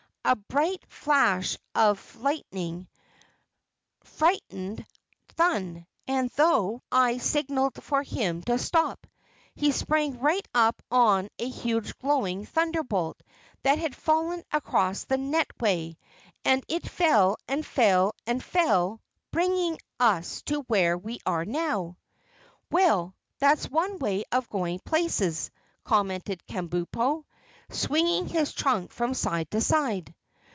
A bright flash of lightning frightened Thun, and though I signaled for him to stop, he sprang right up on a huge glowing thunderbolt that had fallen across the netway, and it fell and fell and fell bringing us to where we now are." "Well, that's one way of going places," commented Kabumpo, swinging his trunk from side to side.